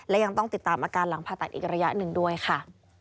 และยังต้องติดตามอาการหลังผ่าตัดอีกระยะหนึ่งด้วยค่ะ